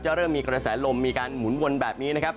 เริ่มมีกระแสลมมีการหมุนวนแบบนี้นะครับ